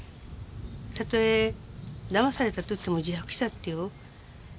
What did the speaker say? たとえだまされたといっても自白したっていう。